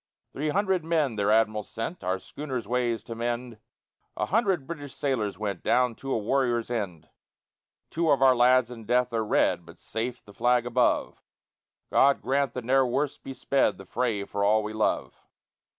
Three hundred men their Admiral sent Our schooner's ways to mend: A hundred British sailors went Down to a warrior's end. Two of our lads in death are red, But safe the flag above: God grant that never worse be sped The fray for all we love!